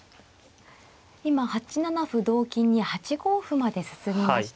今８七歩同金に８五歩まで進みました。